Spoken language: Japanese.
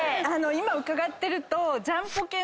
今伺ってると。